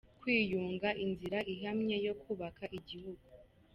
Kwiyunga, inzira ihamye yo kubaka igihugu